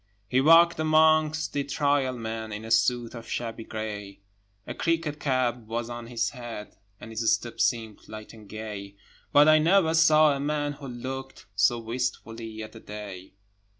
He walked amongst the Trial Men In a suit of shabby grey; A cricket cap was on his head, And his step seemed light and gay; But I never saw a man who looked So wistfully at the day.